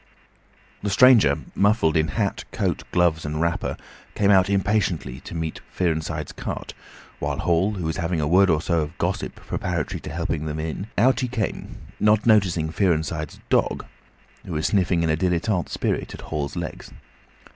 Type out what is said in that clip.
The stranger, muffled in hat, coat, gloves, and wrapper, came out impatiently to meet Fearenside's cart, while Hall was having a word or so of gossip preparatory to helping bring them in. Out he came, not noticing Fearenside's dog, who was sniffing in a dilettante spirit at Hall's legs.